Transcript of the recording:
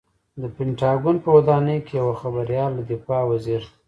د پنټاګون په ودانۍ کې یوه خبریال له دفاع وزیر